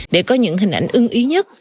để có những hình ảnh ưng ý nhất